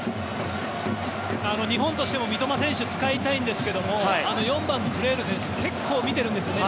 日本としても三笘選手使いたいんですけども４番のフレール選手結構見てるんですよね。